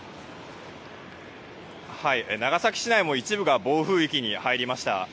長崎市内も一部が暴風域に入りました。